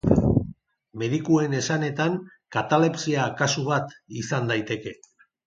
Medikuen esanetan, katalepsia kasu bat izan daiteke.